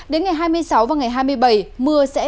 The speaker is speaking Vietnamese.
đến ngày hai mươi sáu và ngày hai mươi bảy mưa sẽ